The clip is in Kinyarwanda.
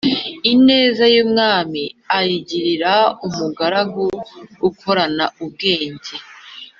ineza y’umwami ayigirira umugaragu ukorana ubwenge,